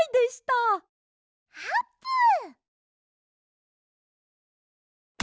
あーぷん！